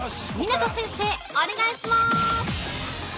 湊先生、お願いしまーす。